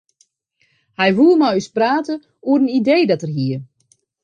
Hy woe mei ús prate oer in idee dat er hie.